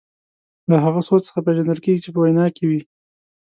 له هغه سوز څخه پېژندل کیږي چې په وینا کې وي.